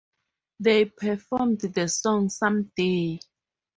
They performed the song "Someday".